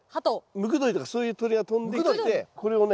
ムクドリとかそういう鳥が飛んできてこれをね